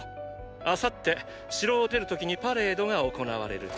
明後日城を出る時にパレードが行われる。